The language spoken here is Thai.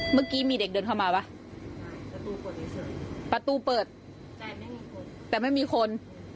เมื่อกี้มีเด็กเดินเข้ามารึเปล่าประตูเปิดแต่ไม่มีคน